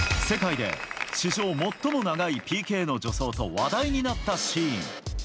世界で史上最も長いＰＫの助走と話題になったシーン。